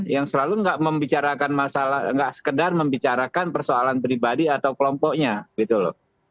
yang selalu nggak membicarakan masalah nggak sekedar membicarakan persoalan pribadi atau kelompoknya gitu loh